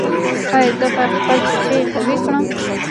ایا زه باید خپل پښې قوي کړم؟